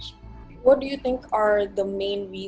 apa yang anda pikir adalah alasan utama